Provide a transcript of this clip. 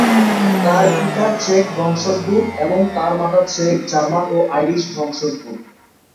তার পিতা চেক বংশোদ্ভূত, এবং তার মাতা চেক, জার্মান ও আইরিশ বংশোদ্ভূত।